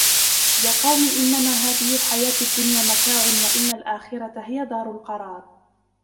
يَا قَوْمِ إِنَّمَا هَذِهِ الْحَيَاةُ الدُّنْيَا مَتَاعٌ وَإِنَّ الْآخِرَةَ هِيَ دَارُ الْقَرَارِ